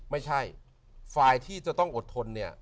ไม่ใช่ฝ่ายที่จะต้องอดทนเนี่ย